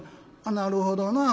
「なるほどな。